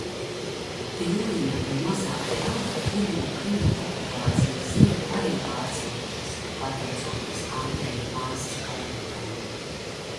Tilliņa un mazā Helga pirmo krievu okupācijas ziemu arī pārcietušas, pateicoties Andreja māsas palīgam.